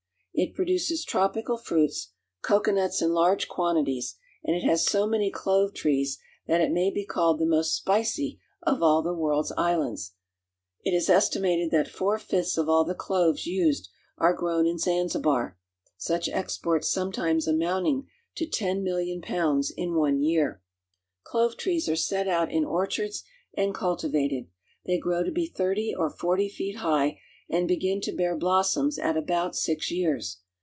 It produces tropical fruits, cocoanuts in large quantities, and it has so many clove trees that it may be called the most spicy of all the world's islands. It is estimated that four fifths of all the cloves used are grown in Zanzibar, such exports sometimes amounting to ten mil lion pounds in one year. Clove trees are set out in orchards and cultivated. They grow to be thirty or forty feet high, and begin to bear blossoms at about six years.